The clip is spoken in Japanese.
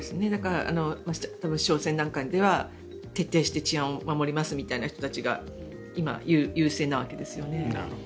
市長選なんかでは徹底して治安を守りますというような人が今、優勢なわけですよね。